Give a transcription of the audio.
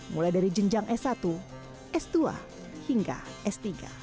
mulai dari jenjang s satu s dua hingga s tiga